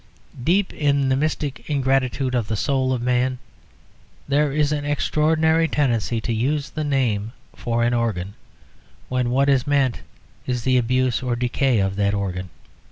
Deep in the mystic ingratitude of the soul of man there is an extraordinary tendency to use the name for an organ, when what is meant is the abuse or decay of that organ.